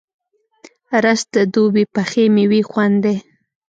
رس د دوبی پخې میوې خوند دی